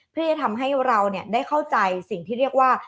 เพื่อจะทำให้เราได้เข้าใจสิ่งที่เรียกว่า